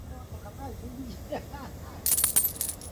Joan alifikiri wanaume walikuwa bora